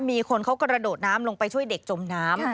มีคนเขากระโดดน้ำลงไปช่วยเด็กจมน้ำ